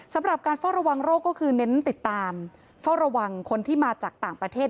สำหรับการเฝ้าระวังโรคก็คือเน้นติดตามเฝ้าระวังคนที่มาจากต่างประเทศ